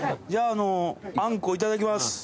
じゃあアンコウいただきます。